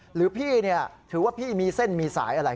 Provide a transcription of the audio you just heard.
หรือพี่ถือว่าพี่มีเส้นมีสายอะไร